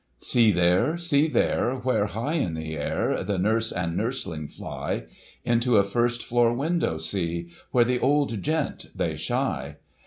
See there, see there, where, high in air, the nurse and nurseling fly \ Into a first floor window, see, where that old gent, they shy